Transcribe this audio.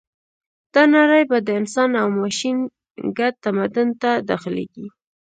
دا نړۍ به د انسان او ماشین ګډ تمدن ته داخلېږي